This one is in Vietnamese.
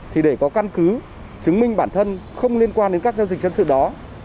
thì để có căn cứ chứng minh bản thân không liên quan đến các giao dịch dân sự đó